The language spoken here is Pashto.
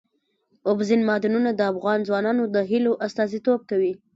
اوبزین معدنونه د افغان ځوانانو د هیلو استازیتوب کوي.